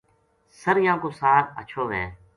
سریاں کو ساگ ہچھو وھے